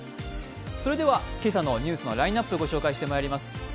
それでは、今朝のニュースのラインナップご紹介してまいります。